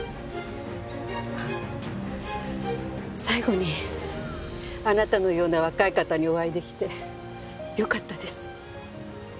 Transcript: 最後にあなたのような若い方にお会い出来てよかったです。